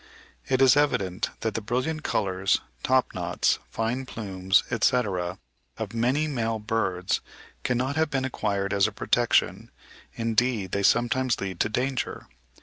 It is evident that the brilliant colours, top knots, fine plumes, etc., of many male birds cannot have been acquired as a protection; indeed, they sometimes lead to danger.